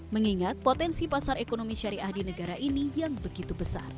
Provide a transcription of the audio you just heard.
mengingat potensi pasar ekonomi syariah di negara ini yang begitu besar